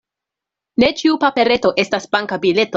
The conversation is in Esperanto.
Ne ĉiu papereto estas banka bileto.